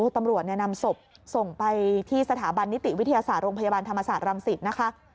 ตำรวจนำศพส่งไปที่สถาบันนิติวิทยาศาสตร์โรงพยาบาลธรรมศาสตร์รังสิตนะคะ